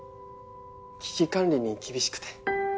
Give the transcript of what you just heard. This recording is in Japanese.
危機管理に厳しくて。